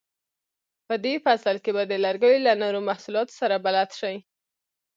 په دې فصل کې به د لرګیو له نورو محصولاتو سره بلد شئ.